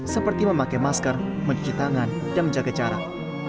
seperti memakai masker mencuci tangan dan menjaga jarak